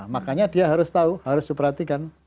makanya dia harus tahu harus diperhatikan